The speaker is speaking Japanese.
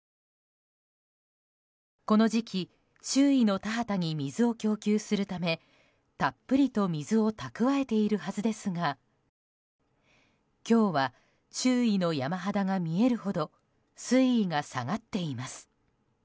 この時期周囲の田畑に水を供給するためたっぷりと水を蓄えているはずですが今日は周囲の山肌が見えるほど水位が下がっています。